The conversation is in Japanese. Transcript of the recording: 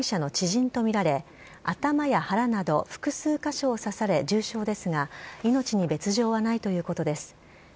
男性は、石田容疑者の知人と見られ、頭や腹など複数箇所を刺され重傷ですが、命に別状はないということです。